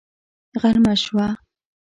غرمه شوه